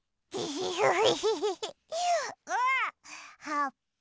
はっぱ。